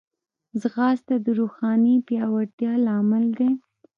ځغاسته د روحاني پیاوړتیا لامل دی